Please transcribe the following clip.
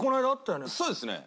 そうですね。